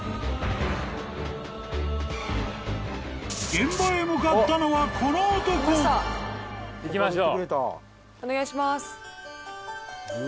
［現場へ向かったのはこの男］行きましょう。